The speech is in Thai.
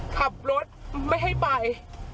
ขับรถไม่ให้ไป